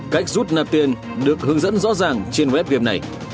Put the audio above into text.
cách rút nạp tiền được hướng dẫn rõ ràng trên web viet này